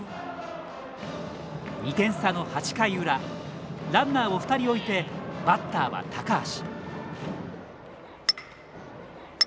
２点差の８回裏ランナーを２人置いてバッターは高橋。